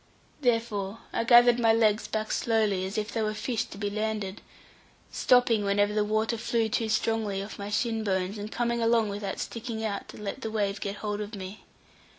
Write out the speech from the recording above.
Therefore I gathered my legs back slowly, as if they were fish to be landed, stopping whenever the water flew too strongly off my shin bones, and coming along without sticking out to let the wave get hold of me.